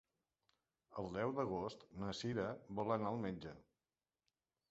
El deu d'agost na Cira vol anar al metge.